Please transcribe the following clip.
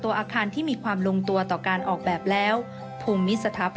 ช่วยให้สามารถสัมผัสถึงความเศร้าต่อการระลึกถึงผู้ที่จากไป